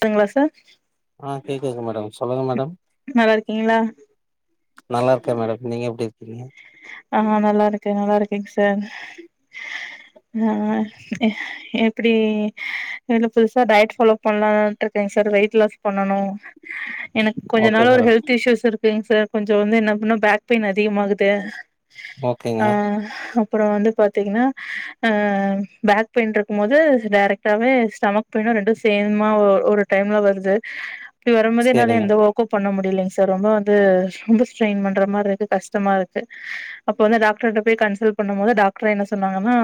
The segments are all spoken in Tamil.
துங்ளா சார் ஆ கேக்குது மேடம் சொல்லுங்க மேடம் நல்லா இருக்கீங்ளா நல்லா இருக்கே மேடம் நீங்க எப்டி இருக்கீங்க ஆ நல்லா இருக்கே நல்லா இருக்கேங் சார் ஆ எப்டி புதுசா டயட் ஃபாலோ பண்லான்ட்டு இருக்கேங் சார் வெயிட் லாஸ் பண்ணனு அ எனக்கு கொஞ்ச ஓகே நாள் ஒரு மேடம் ஹெல்த் இஷ்யூஸ் இருக்குங் சார் கொஞ்ச வந்து என்ன பண்ணா பேக் பெயின் அதிகமாகுது ஓகேங்க ஆ அப்புற வந்து பார்த்தீங்னா அ பேக் பெயின் இருக்கும் போது டைரெக்டாவே ஸ்டமக் பெயினு ரெண்டு சேம்மா ஒ ஒரு டைம்ல வருது இப்டி வரும் போது என்னால சேரிங்க எந்த ஒர்க்கு பண்ண முடிலைங்க சார் ரொம்ப வந்து ரொம்ப ஸ்ட்ரெயின் பண்ற மார்ருக்கு கஷ்டமா இருக்கு அப்ப வந்து டாக்டர் போய் கன்சல்ட் பண்ணும் போது டாக்டர் என்ன சொன்னாங்கன்னா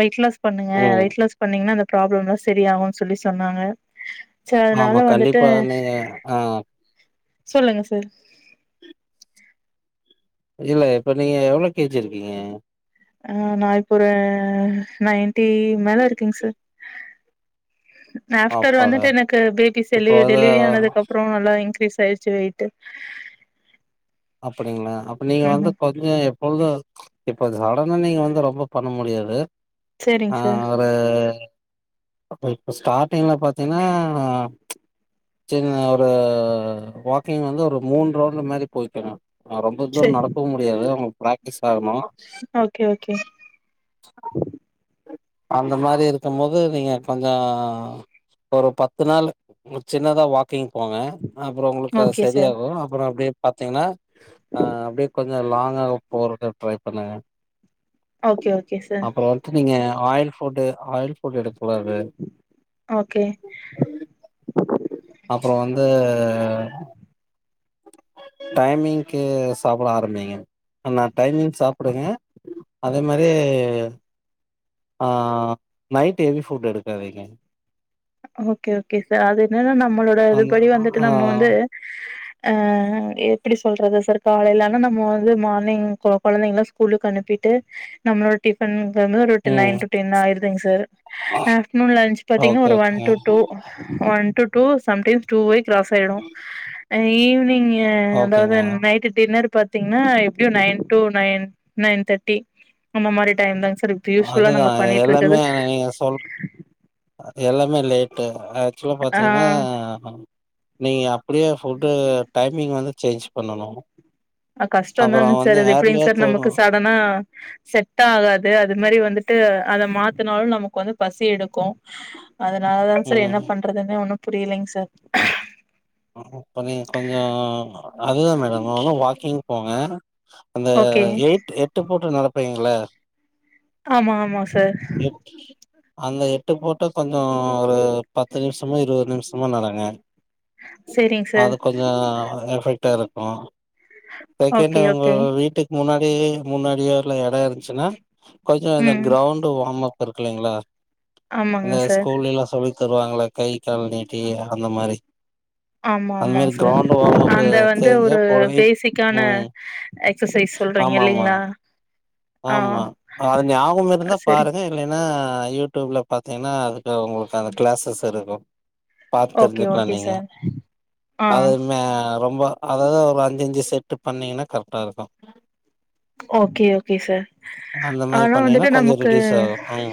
வெயிட் லாஸ் பண்ணுங்க ம் வெயிட் லாஸ் பண்ணீங்ன்னா அந்த ப்ராப்ளம்லா செரிய ஆகுன் சொல்லி சொன்னாங்க செர் ஆமா அதனால வந்துட்டு கண்டிப்பா நீங்க ஆ சொல்லுங்க சார் இல்ல இப்ப நீங்க எவ்ளோ கேஜி இருக்கீங்க ஆ நா இப்போ ஒரு நைன்டி மேல இருக்கேங் சார் ஆஃப்டர் பாப்பாவ வந்துட்டு எனக்கு பேபி டெலி இப்போ அது டெலிவரி ஆனதுக்கு அப்றோ நல்லா இன்கிரீஸ் ஆயிடுச்சு வெயிட் டு அப்டிங்ளா அப்ப நீங்க வந்து கொ ந்த எப்பொழுது இப்ப சடன நீங்க வந்து ரொம்ப பண்ண முடியாது சரிங்க ஆ சார் ஒரு இப்ப ஸ்டார்டிங்ல பாத்தீன்னா சின்ன ஒரு வாக்கிங் வந்து ஒரு மூண் ரவுண்ட்டு மேரி போய்க்கணு அ ரொம்ப தூரோ சரி நடக்கவு முடியாது அவுங்க பிராக்டிஸ் ஆகணு ஓகே ஓகே ம் அந்த மாரி இருக்கும் போது நீங்க கொஞ்சோ ஒரு பத்து நாள் சின்னதா வாக்கிங் போங்க அப்புற உங்களுக்கு அது ஓகே சார் சரியாகு அப்புற அப்டே பாத்தீங்னா அ அப்டே கொஞ்ச லாங்கா போறக்கு ட்ரை பண்ணுங்க ஓகே ஓகே சார் இப்ப வன்ட்டு நீங்க ஆயில் ஃபுட்டு ஆயில் ஃபுட் எடுக் கூடாது ஓகே அப்றோ வந்து டைமிங்க்கு சாப்ட ஆரம்பிங்க நா டைமிங் சாப்டுங்க அதே மாரி ஆ நைட் ஹெவி ஃபுட் எடுக்காதீங்க ஓகே ஓகே சா அது என்னென்னா நம்மளோட அந்த இதுபடி வந்துட்டு ஆ நம்ம வந்து அ எப்பிடி சொல்றது சார் காலையில ஆனா நம்ம வந்து மார்னிங் கொ கொழந்தைங்கல்ல ஸ்கூலுக்கு அனுப்பிட்டு நம்ளோ டிபன் வந்து ஒரு ட் நைன் ம் டு டென் ஆயிருந்தங்க சார் ஆஃப்டர்நூன் லன்ச் பாத்தீங்கன்னா ஓகே ஒரு ஒன் ஓகேங்க to two ஒன்டு two sometimes டூவே கிராஸ் ஆயிடு ஈவினிங் ஏ ஓகேங்க அதாவது நைட் டின்னர் பாத்தீங்கன்னா எப்டியு nine to nine nine thirty அந்த மாரி டைம்தாங்க சார் இப்ப யூஸ்வலா அதுதா நாங்க பண்ணிட்டு எல்லாமே இருக்குது ஆனா நீங்க சொல் எல்லாமே லேட்டு் ஆக்சுலா பாத்தீங்கன்னா ஆ நீங்க அப்பிடியே ஃபுட்டு டைமிங் வந்து சேஞ்ச் பண்ணனு அ கஷ்டதான சார் அது எப்பிடிங்க சார் நமக்கு தூங்கணும். சா ல்லனா செட் ஆகாது அது மாரி வந்துட்டு அத மாத்தனாலு நம்ம வந்து பசி எடுக்கு அதனாலதா சார் ம். என்ன பண்றதுன்னே ஒன்னு புரியலைங்க சார் ப்ப நீங்க கொஞ்சோ அதுதா மேடம் ஒழுங்கா வாக்கிங் போங்க அந்த ஓகே எயட் எட்டு போட்டு நடப்பீங்கள ஆமா ஆமா சார் அந்த எட்டு போட்டா கொஞ்சோ ஒரு பத்து நிமிஷ்மா இருவது நிமிஷ்மோ நடங்க சேரிங் சார் அது கொஞ்சோ எஃபெக்டாக இருக்கு செகண்ட் ஓகே அவங்க ஓகே வீட்க் முன்னாடி முன்னாடியால எடோ இருந்துச்சின்னா கொஞ்ச இந்த ம் கிரௌண்ட் வாம் அப் வர்க்குல்லைங்களா இந்த ஆமாங்க சார் ஸ்கூல்லில்லா சொல்லி தருவாங்கள கை கால் நீீட்டி அந்த மாரி ஆமா அந்த மாரி ஆமாங்க சார் கிரௌண்ட் வார்ம் அப் அந்த வந்து தெரிஞ்சா ஒரு போடவே பேஸிக்கான ம் எக்ஸசைஸ் சொல்றீங்க ஆமா ஆமா இல்லைங்களா ஆ ஆமா அது ஞாபகம் இருந்தா சேரி பாருங்க இல்லைன்னா யூடியூப்ல பாத்தீங்கன்னா அதுக்கு உங்களுக்கு அந்த கிளாஸஸ் இருக்கு பாத் ஓகே தெரிஞ்சிக்கலா ஓகே நீங்க சார் ஆ அது மே ரொம்ப அதா அது ஒரு அஞ்சி அஞ்சி செட் பண்ணீங்கன்னா கரெக்டா இருக்கு ஓகே ஓகே சார் அந்த மாரி ஆனா வந்துட்டு பண்ணீங்கன்னா கொஞ்ச நமக்கு ரிடியூஸ் ஆகு அம்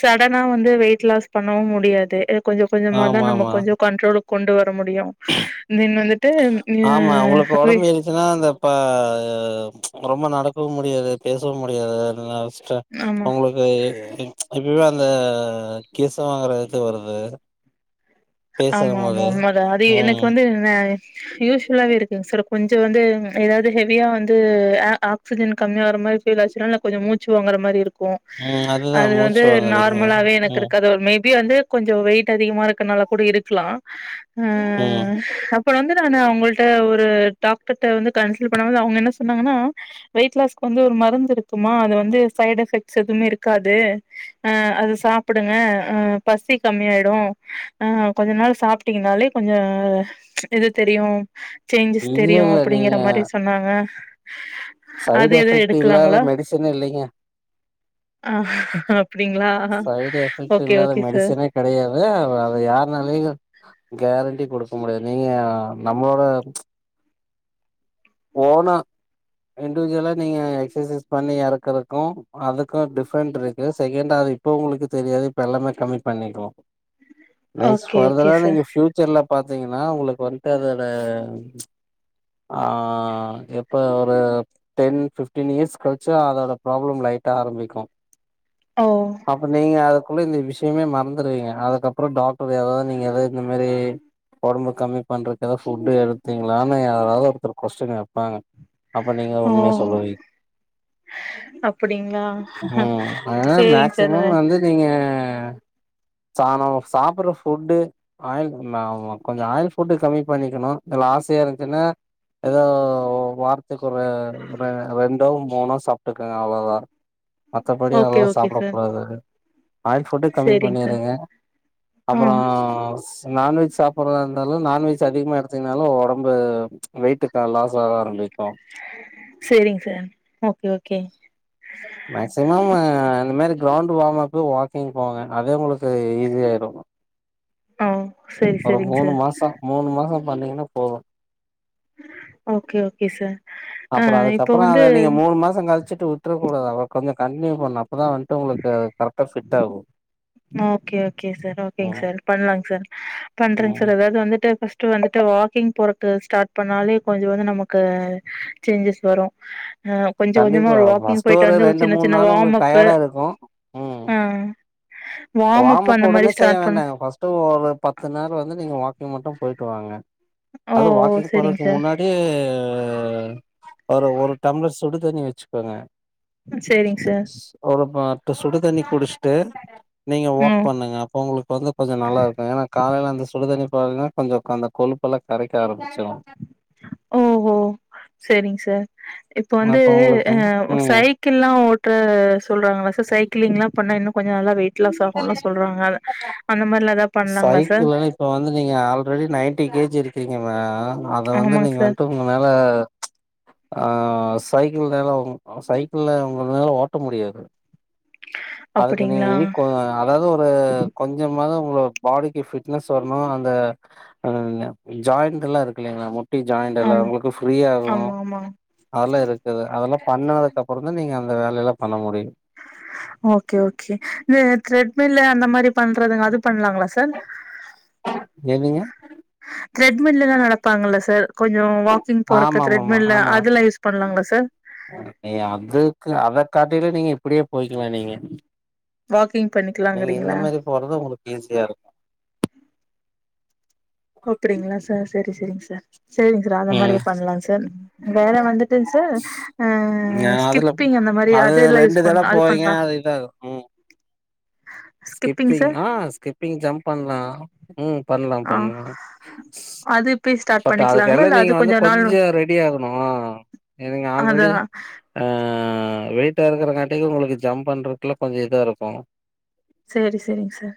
சடனா வந்து வெயிட் லாஸ் பண்ணவு முடியாது கொஞ்ச கொஞ்சமாதா ஆமா நம்ம ஆமா கொஞ்சோ கண்ட்ரோலு கொண்டு வர முடியு தென் வந்துட்டு அ வெய் த்துனா அந்த பா ரொம்ப நடக்கவு முடியாது பேசவு முடியாது ச்ச ஆமா உங்களுக்கு எப்பிமே அந்த கீச வாங்கற இது வருது ஆமா ஆமா பேசும்போது. உண்மதா அது எனக்கு ம், வந்து இன்ன யூஸ் ஃபுல்லாவே இருக்குங் சார் கொஞ்ச வந்து எதாவது ஹெவியா வந்து ஏ ஆக்சிஜன் கம்மியா வர மாரி ஃபீல் ஆச்சின்னா எனக் கொஞ்சோ மூச்சு வாங்கற மாரி இருக் க்கு ம். அது அதுதான் வந்து மூச்சு வாங்குறீங்க. நார்மலாவே எனக்கு ம், இருக்காது மேபி வந்து கொஞ்சோ வெயிட் அதிகமா இருக்கனால கூட இருக்கலா ம் அப் ப்றோ வந்து நானு அவுங்கள்ட்ட ஒரு டாக்டர்க்ட வந்து கன்சல்ட் பண்ணவது அவங்க என்ன சொன்னாங்கன்னா வெயிட் லாஸ்கு வந்து ஒரு மருந்து இருக்குமா அது வந்து சைட் எஃபெக்ட்ஸ் எதுவுமே இருக்காது அ அது சாப்புடுங்க அ பசி கம்மியாயிடு ஆ கொஞ்ச நாள் சாப்பிட்டீங்கனாலே கொஞ்ச எது தெரியு சேஞ்சஸ் இல்ல, தெரியு இல்ல. அப்பிடிங்கற நீங்க மாரி சொன்னாங்க அது சைடு எது எஃபெக்ட் இல்லாத எடுக்கலாங்களா மெடிசின் இல்லைங்க ஆ அப்டிங்களா ஓக்கே ஓக்கே சார் கெடையது அது யார்னாலயு கேரண்டி குடுக்க முடியாது நீங்க நம்மளோட ஓனா இண்டுஜுலா நீங்க எக்சசைஸ் பண்ணி எறக்குறக்கு அதுக்கு டிஃப்ரெண்ட்ருக்கு செகண்டா அது இப்ப உங்களுக்கு தெரியாது இப்ப எல்லாமே கம்மி பண்ணிக்கலா நெக்ஸ் ஓகே ஓகே ஃபர்தரா சார் நீங்க ஃப் ச்சர்ல பாத்தீங்னா உங்களுக்கு வன்ட்டு அதோட ஆ ஆ எப்ப ஒரு டென் ஃபிஃப்டீன் இயர்ஸ் கழிச்சு அதோட ப்ராப்ளம் லைட்டா ஆரம்பிக்கு ஓ அப்ப நீங்க குள்ள இந்த விஷயமே மறந்துருவீங்க அதுக்கப்பறோ டாக்டர் ஏதாது நீங்க ஏதது இந்த மாரி ஒடம்ப கம்மி பண்றக்கு எதா ஃபுட்டு் எடுத்தீங்ளானு யாராது ஒருத்தர் கொஸ்டின் வப்பாங்க அப்ப நீங்க ஓ உண்மய சொல்லுவீ அப்டிங்களா ம் அதனால சேரிங்க சார் மேக்சிமம் வந்து நீங்க ச நா சாப்பர்ற ஃபுட்டு ஆயில் ஆமா கொஞ்ச ஆயில் ஃபுட்டு் கம்மி பண்ணிக்கணு இதுல ஆசையா இருந்துச்சுனா ஏதோ வாரத்துக்கு ஒரு ரெ ரெண்டோ மூனோ சாப்ட்டுக்கங்க அவ்ளோதா மத்தபடி ஓகே அதெல்லா ஓகே சாப்ட சார் கூடாது ஆயில் ஃபுட்டு கம்மி சேரிங்க சார் பண்ணிருங்க ஆ அப்பறோ நான்வெஜ் சாப்பர்றதா இருந்தாலு நான்வெஜ் அதிகமா எடுத்தீங்கனாலு ஒடம்பு வெயிட்டுக்கு லாஸ் ஆக ஆரம்பிக்கு சேரிங் சார் ஓக்கே ஓக்கே மேக்சிமம் இந்த மாரி கிரௌண்ட் வாம் அப்பு வாக்கிங் போங்க அதே உங்களுக்கு ஈஸி ஆயிரு ஆ சேரி ஒரு சேரிங்க மூனு சார் மாச மூனு மாச பண்ணீங்னா போது ஓக்கே ஓக்கே சார் ஆ அப்பறோ இப்போ அதுக்கப்றோ அத வந்து நீங்க மூணு மாச கழிச்சுட்டு விட்றக்கூடாது அத கொஞ்ச கன்ட்னியூ பண்ண அப்பதா வன்ட்டு உங்களுக்கு அது கரெக்ட்டா ஃபிட் ஆகு ஓக்கே ஓக்கே சார் ஓக்கேங் ம் சார் பண்ணலாங் சார் பண்றேங் ம் சார் அதாவது வந்துட்டு ஃபஸ் ட்டு வந்துட்டு வாக்கிங் போறக்கு ஸ்டார்ட் பண்ணாலே கொஞ்ச வந்து நமக்கு சேஞ்சஸ் வரு ஆ கொஞ்ச கொஞ்சமா கண்டிப்பா ஒரு வாக்கிங் ஃபஸ்ட்டு போயிட்டு வந்து ஒரு ரெண்டு சின்ன மூணு சின்ன நாள் வாம் உங்களுக்கு அப்பு டயர்டா இருக்கு அ வாமப் உடனே செய்ய பண்ண வேண்டா ஃபஸ் ட்டு ஒரு பத்து நாள் வந்து நீங்க வாக்கி மட்டு போயிட்டு வாங்க ஓ அது ஓ வாக்கிங் செரிங்க போறதுக்கு சார் முன்னா டி ஒரு ஒரு டம்ளர் சுடு தண்ணி வச்சுக்கோங்க செரிங்க சார் ஒரு பாட்டு சுடு தண்ணி குடுச்ட்டு நீங்க வாக் ம் பண்ணுங்க அப்போ உங்களுக்கு வந்து கொஞ்ச நல்லாருக்கு ஏனா காலைல அந்த சுடுதண்ணி பாத்னா கொஞ்ச அந்த கொழுப்பெல்லா கரைக்க ஆரம்பிச்சிரு ஓஹோ சேரிங் சார் இப்ப வந்து அப்ப உங்களுக்கு வந்து அ ம் சை க்கிள்லா ஓட்ட சொல்றாங்கள சார் சைக்கிளிங்லா பண்ணா இன்னு கொஞ்ச நல்லா வெயி ட் லாஸ் ஆகுல்லா சொல்றாங்க அது அந்த மாரிலா எதா பண்லாங்களா சார் சைக்கிள்ல்ல இப்ப வந்து நீங்க ஆல்ரெடி நைன்டி கே ஜி இருக்கீங்க மே அத வந்து ஆமாங்க நீங்க சார் வன்ட்டு உங்னால ஆ சைக்கிள் நேரா சைக்கிள்ல உங்கனால ஓட்ட முடியாது அதுக்கு நீங்க அப்டிங்களா இனிக் கொ அதாவது ஒரு கொஞ்சமாது உங்களோட பாடிக்கு ஃபிட்னஸ் வரணு அந்த அதாவ்து யா ஜாயிண்டுலா இருக்கு இல்லீங்களா முட்டி ஜாயிண்டெல்லா ஆமா உங்களுக்கு ஃப்ரீயாகு ஆமா ஆமா அதெல்லா இருக்குது அதெல்லா பண்ணதுக்கப்புறந்தா நீங்க அந்த வேல எல்லா பண்ண முடியு ஓகே ஓகே இந்த த்ரெட்மில் அந்த மாரி பண்றதுங்க அது பண்லாமா சார் எதுங்க த்ரெட்மில்லல நடப்பாங்க இல்ல சார் கொஞ்ச வாக் கிங் ஆமா போறதுக் ரெட்மில்ல அதுலா யூஸ் பண்ணலாங்ளா சார் எங் அதுக்கு அத காட்டிலு நீங்க இப்டியே போயிக்கிலா நீங்க வாக்கிங் பண்ணிக்கலாங்கிறீங்களா போறத உங்களுக்கு ஈஸியா இருக்கு அப்படிங்களா சார் சரி சரிங் சார் செரிங்க சார் அத ம் மாரியே பண்லாங் சார் வேற வந்துட்டுங் சார் அ நா அதுல ஸ்கிப்பிங் அந்த மாரி அது எல்லா யூஸ் பண்லா அது பண்லாம் இல்ல அத் ம் ஸ்கிப்பிங் ஆ ஸ்கிப்பிங் ஜம்ப் பண்லா ம் பண்லா ஆ பண்லா அது இப்பயே ஸ்டார்ட் பட் பண்ணிக்கலாங்களா அதுக்கெல்லா இல்ல அது நீங்க வந்து நாள் கொஞ்ச ரெடி ஆகணு அ அதா ஆ வெயிட்டா இருக்கறங்காட்டிலு உங்களுக்கு ஜம்ப் பண்றக்குல கொஞ்ச இதா இருக்கு சரி சரிங்க சார்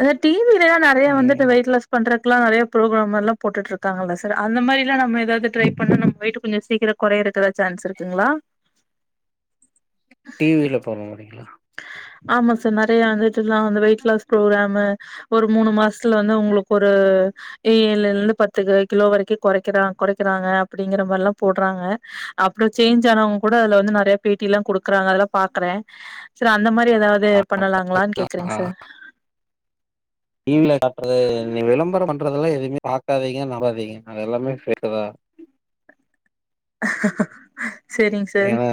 அந்த டி வி லலா நெறைய ம் வந்துட்டு வெயிட் லாஸ் பண்றக்கலா நெறைய புரோகிராமெல்லா போட்டுட் இருக்காங்கள்ள சார் அந்த மாரில நம்ம ஏதாவது ட்ரை பண்ணோம் வெயிட் கொஞ்ச சீக்கிர கொறையிறக்கு எத சான்ஸ் இருக்குங்ளா டி வி ல பண்ண முடியுங்ளா ஆமா சார் நெறைய வந்துட்டுலா வெயிட் லாஸ் ப்ரோக்ராமு ஒரு மூணு மாசத்துல வந்து உங்களுக்கு ஒரு ஏழ்ந்து பத்துகி கிலோ வரைக்கு கொறைக்கிறா கொறைக்கிறாங்க அப்டிங்கிற மார்ல்லா போட்றாங்க அப்புற சேஞ்ச் ஆனவங்க கூட அது வந்து நறைய பேட்டிலா குடுக்குறாங்க அதெலா பாக்றே சார் அந்த மாரி ஏதாவது ஆ பண்ணலாங்ளான் கேக்கறேங் சார் டி வி ல நம்பு விளம்பரம் பண்றதெல்லா எதுவுமே பாக்காதீங்க நம்பாதீங்க அது எல்லாமே ஃபேக்குதா சேரிங் சார் ஏன்னா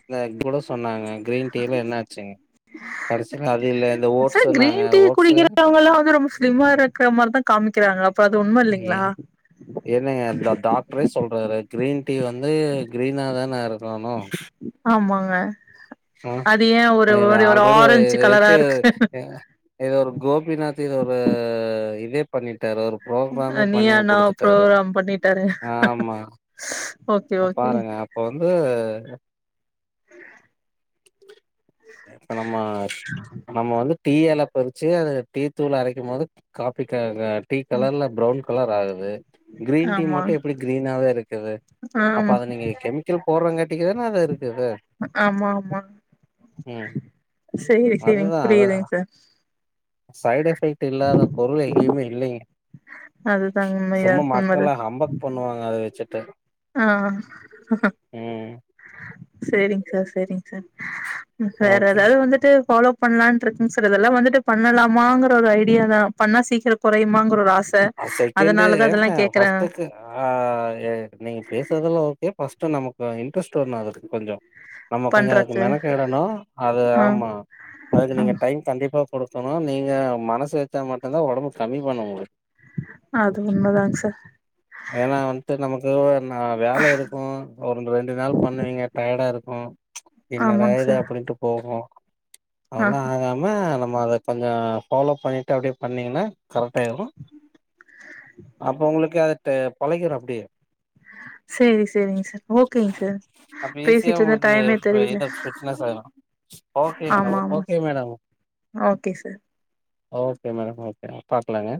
இந்த இப்ப கூட சொன்னாங்க கிரீன் டீ ல என்ன ஆச்சுங் கடைசி அது இல்ல எதோ ஓட்ஸ்ன்னாங்க ஓட்ஸ் இன்னிக்கிறுவங்கள வந்து ரொம்ப ஸ்லிம்மா இருக்கிற மார்தா காமிக்கிறாங்க அப்ப அது உண்ம ஏ இல்லைங்ளா என்னங்க இந்த டாக்டரே சொல்றாரு கிரீன் டீ வந்து கிரீனா தான இரு ஆமாங்க ஆ அது ஏ ஒரு இது ஒரிவரா ஆல்ரெடி ஆரஞ்சு இத கலரா வச்சு இருக்கு இது ஒரு கோபிநாத் இது ஒரு இதே பண்ணிட்டாரு ஒரு ப்ரோகிராமே பண்ணி நீயானா குடுத்துட்டாரு ப்ரோக்ராம் பண்ணிட்டாரு ஆமா ஓகே ஓகே அப்பாருங்க அப்ப வந்து இப்ப நம்ம நம்ம வந்து டீ எழ பர்றிச்சு அது டீ தூள் அரைக்கு போது காபி கலர்ல டீ கலர்ல பிரவுன் கலர் ஆகுது கிரீன் டீ ஆமா மட்டு எப்டி கிரீனாவே இருக்குது அப்ப ஆமா அத நீங்க கெமிக்கல் போட்றாங்காட்டிகதான அது இர்குது ஆமாம் ம் சேரி சேரிங்க அதுதா அதா புரியுதுங்க சார் சைடு் எஃபெக்ட் இல்லாத பொருள் எங்கேயுமே இல்லைங்க அதுதாங்க உண்மையா சும்மா உண்மதா மக்கள்ல்லா ஹம்பக் பண்ணுவாங்க அத வெச்சுட்டு ஆ ஆ ம் சேரிங்க சார் சேரிங்க சார் வேற ஓகே ஏதாவது வந்துட்டு ஃபாலோ பண்ணலான்ட்ருக்கங் சார் இதெல்லா வந்துட்டு பண்ணலாமாங்கற ஒரு ஐடியா தா பண்ணா சீக்கிரோ கொறையுமாங்கோற ஒரு ஆஸ் ச அதனாலதா அதெல்லா கேக்குறே க்கு ஆ நீங்க பேசறதெல்லா ஓகே ஃபர்ஸ்ட் நமக்கு இன்ட்ரெஸ்ட் வரு அதுக்கு கொஞ்சோ நம்ம கொஞ்சோ அதுக்கு பண்றக்கு மெனக்கெடணு அது ஆ ஆமா அதுக்கு ஆ நீங்க டைம் கண்டிப்பா குடுக்கணு நீங்க மனசு வச்சா மட்டும்தா ஒடம்பு கம்மி பண்ண முடியு அது உண்மதாங் சார் ஏனா வந்து நமக்கு து ஒரு நாள் வேல இருக்கு ஒரு ரெண்டு நாள் பண்ணுவீங்க டயர்டாருக்கு என்னாடா ஆமாங் இது சார் அப்படின்ட்டு போகு ஆ அதெல்லா ஆகாம நம்ம நம்ம அத கொஞ்சோ ஃபாலோ பண்ணிட் டு அப்படிய பண்ணீங்கன்னா கரெக்டா ஏறு அப்ப உங்களுக்கு அது டடு பழக்கிரு அப்படியே சேரி சேரிங்க சார் ஓகேங் சார் அப்ப ஈஸியா பேசிட்டு இருந்த உங்களுக்கு டைமே ஃப் தெரியல இது ஃபிட்னஸ்சாயிரு ஆ ஓகே மேடம் ஆமா ஆமா okay madam okay sir okay madam okay பாக்கலாங்க